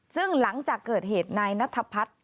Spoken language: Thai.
ซึ่งหลังจากเกิดเหตุนายนัทพัฒน์